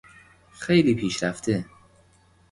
خیلی پیشرفته